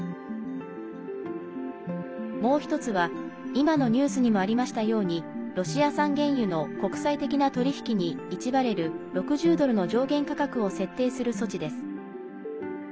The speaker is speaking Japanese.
もう１つは、今のニュースにもありましたようにロシア産原油の国際的な取り引きに１バレル＝６０ドルの上限価格を設定する措置です。